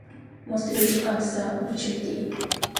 Most leap at the opportunity.